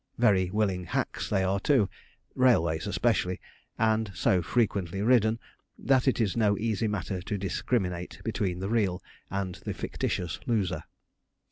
Very willing hacks they are, too, railways especially, and so frequently ridden, that it is no easy matter to discriminate between the real and the fictitious loser.